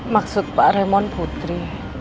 maksud pak raymond putri